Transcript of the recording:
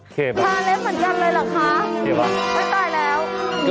ทาเล็บเหมือนกันเลยหรอกอีกกว่า